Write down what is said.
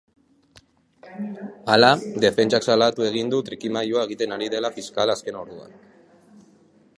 Hala, defentsak salatu egin du trikimailua egiten ari dela fiskala azken orduan.